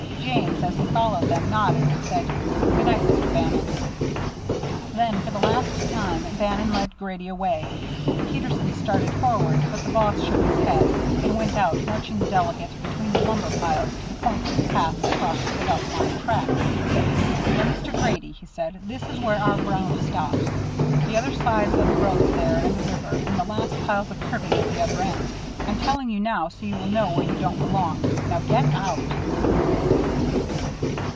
James, as he followed them, nodded, and said, "Good night, Mr. Bannon." Then for the last time Bannon led Grady away. Peterson started forward, but the boss shook his head, and went out, marching the delegate between the lumber piles to the point where the path crossed the Belt Line tracks. "Now, Mr. Grady," he said, "this is where our ground stops. The other sides are the road there, and the river, and the last piles of cribbing at the other end. I'm telling you so you will know where you don't belong. Now, get out!"